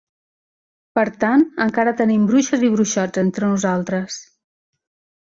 Per tant, encara tenim bruixes i bruixots entre nosaltres.